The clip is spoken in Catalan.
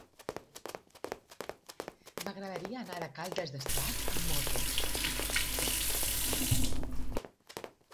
M'agradaria anar a Caldes d'Estrac amb moto.